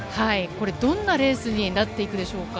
どんなレースなっていくでしょうか。